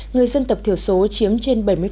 người dân tập thiểu số chiếm trên bảy mươi